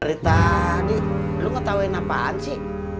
dari tadi lu ngetawain apaan sih